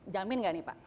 jamin gak nih pak